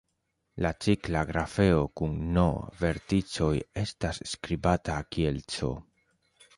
La cikla grafeo kun "n" verticoj estas skribata kiel "C".